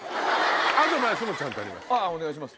アドバイスもちゃんとあります。